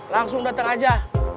langsung datang aja